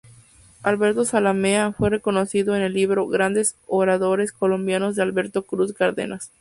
Alberto Zalamea fue reconocido en el libro Grandes Oradores Colombianos de Alberto Cruz Cárdenas.